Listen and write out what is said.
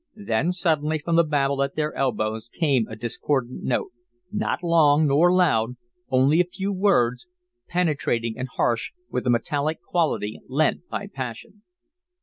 Then suddenly from the babble at their elbows came a discordant note, not long nor loud, only a few words, penetrating and harsh with the metallic quality lent by passion.